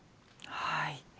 はい。